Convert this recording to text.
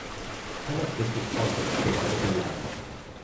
Thanet District Council provided the land.